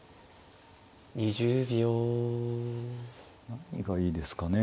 何がいいですかね。